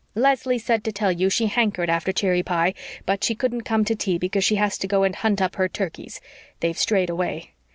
Leslie said to tell you she hankered after cherry pie, but she couldn't come to tea because she has to go and hunt up her turkeys. They've strayed away.